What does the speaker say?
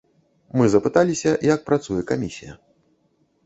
Мы запыталіся, як працуе камісія.